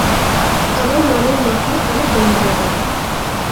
আমার নানুর মাথা অনেক যন্ত্রণা করে।